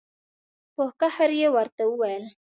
په قهر یې ورته وویل.